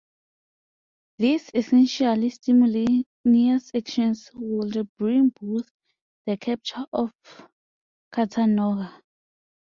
These essentially simultaneous actions would bring about the capture of Chattanooga.